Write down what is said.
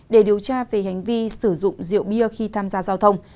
để điều tra về hành vi sử dụng rượu bia khi tham gia giao thông